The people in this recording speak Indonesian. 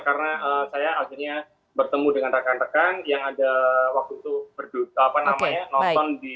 karena saya akhirnya bertemu dengan rekan rekan yang ada waktu itu berdua